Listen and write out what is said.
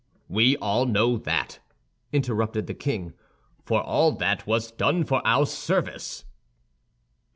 "We all know that," interrupted the king; "for all that was done for our service."